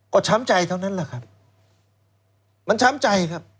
ก็ช้ำใจเท่านั้นแหละครับมันช้ำใจครับ